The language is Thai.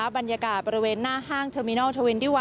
บรรยากาศบรวมหน้าห้างเทอร์มินอลทวินตี้๑